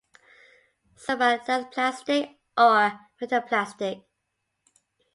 Some are dysplastic or metaplastic.